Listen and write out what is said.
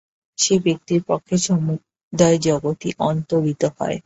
সেই ব্যক্তির পক্ষে সমুদয় জগৎই যেন অন্তর্হিত হয়।